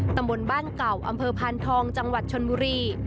ตำบลบ้านเก่าอำเภอพานทองจังหวัดชนบุรี